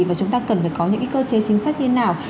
và chúng ta cần phải có những cơ chế chính sách như thế nào